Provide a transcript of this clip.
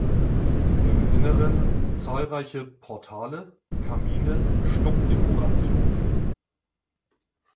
Im Inneren zahlreiche Portale, Kamine, Stuckdekorationen.